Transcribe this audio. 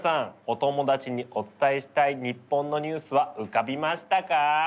お友達にお伝えしたい日本のニュースは浮かびましたか？